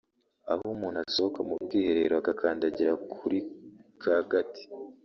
aho umuntu asohoka mu bwiherero agakandagira kuri ka gati